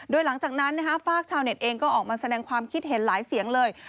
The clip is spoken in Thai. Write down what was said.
โดยหลังจากนั้นฝากชาวเน็ตเองก็ออกมาแสดงความคิดเห็นหลายเสียงเลย